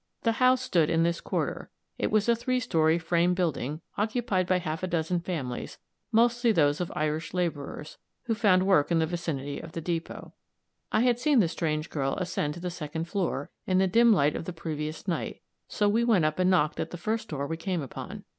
The house stood in this quarter it was a three story frame building, occupied by half a dozen families, mostly those of Irish laborers, who found work in the vicinity of the depot. I had seen the strange girl ascend to the second floor, in the dim light of the previous night, so we went up and knocked at the first door we came upon.